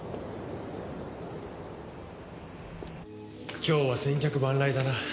今日は千客万来だな。